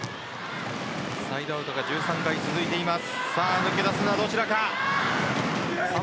サイドアウトが１３回、続いています。